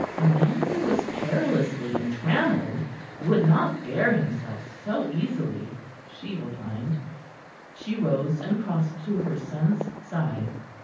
A man who was perilously entrammelled would not bear himself so easily, she opined. She rose, and crossed to her son's side.